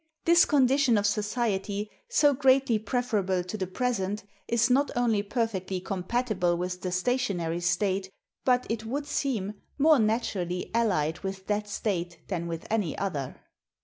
This condition of society, so greatly preferable to the present, is not only perfectly compatible with the stationary state, but, it would seem, more naturally allied with that state than with any other.